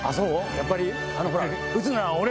やっぱり？